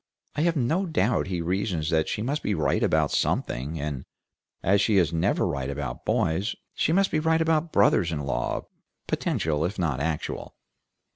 I have no doubt he reasons that she must be right about something, and as she is never right about boys, she must be right about brothers in law, potential if not actual.